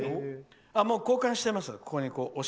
交換しています。